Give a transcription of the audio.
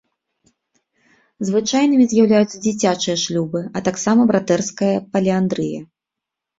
Звычайнымі з'яўляюцца дзіцячыя шлюбы, а таксама братэрская паліандрыя.